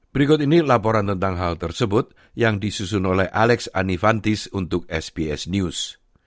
berikut ini laporan tentang hal tersebut yang disusun oleh alex anifantis untuk sbs news